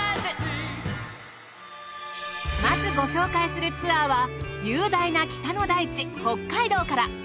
まずご紹介するツアーは雄大な北の大地北海道から。